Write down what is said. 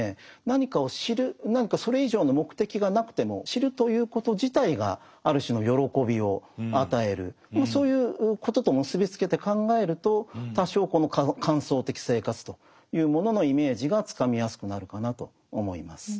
何かを知る何かそれ以上の目的がなくてもそういうことと結び付けて考えると多少この観想的生活というもののイメージがつかみやすくなるかなと思います。